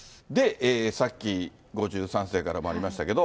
さっき５３世からもありましたけれども。